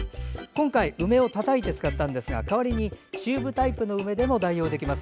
今回、梅をたたいて使ったんですが代わりにチューブタイプの梅でも代用できます。